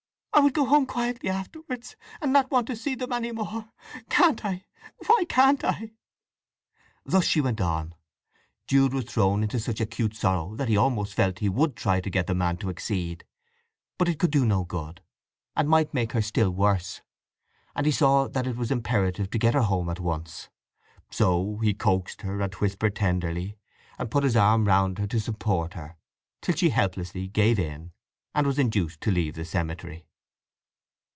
I would go home quietly afterwards, and not want to see them any more! Can't I? Why can't I?" Thus she went on. Jude was thrown into such acute sorrow that he almost felt he would try to get the man to accede. But it could do no good, and might make her still worse; and he saw that it was imperative to get her home at once. So he coaxed her, and whispered tenderly, and put his arm round her to support her; till she helplessly gave in, and was induced to leave the cemetery.